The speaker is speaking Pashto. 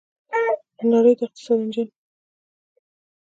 د نړۍ د اقتصاد انجن.